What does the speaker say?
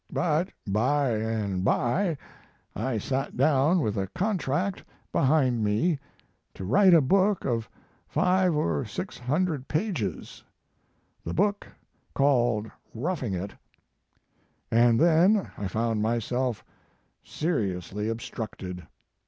But by and by I sat down with a con tract behind me to write a book of five or six hundred pages the book called Roughing It" and then I found myself seriously obstructed.